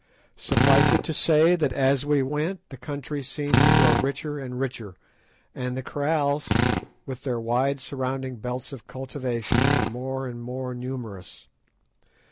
Suffice it to say that as we went the country seemed to grow richer and richer, and the kraals, with their wide surrounding belts of cultivation, more and more numerous.